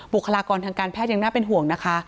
บุคลากรทางการแพทย์ยังน่าเป็นห่วงนะคะ